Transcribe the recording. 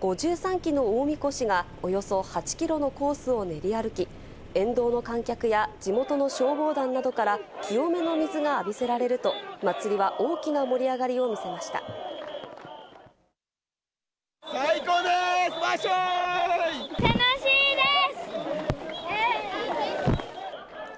５３基の大神輿がおよそ８キロのコースを練り歩き、沿道の観客や地元の消防団などから清めの水が浴びせられると、祭りは大きな盛り上がりをここからは全国の気象情報をお伝えします。